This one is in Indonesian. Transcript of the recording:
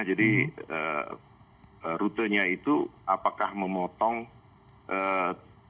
jadi routenya itu apakah memotong turbulence itu